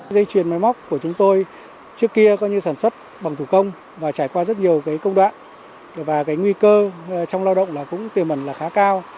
dây chuyền máy móc của chúng tôi trước kia sản xuất bằng thủ công và trải qua rất nhiều công đoạn và nguy cơ trong lao động cũng tiềm mẩn khá cao